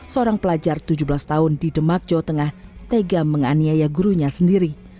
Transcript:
seorang pelajar tujuh belas tahun di demak jawa tengah tega menganiaya gurunya sendiri